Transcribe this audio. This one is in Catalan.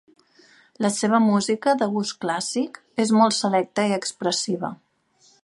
La seva música, de gust clàssic, és molt selecta i expressiva.